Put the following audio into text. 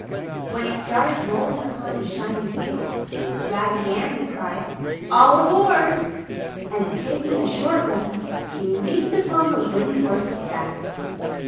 When he started rolling upon his shiny wheels, Raggedy Andy cried, "All aboard!" and, taking a short run, he leaped upon the wooden horse's back.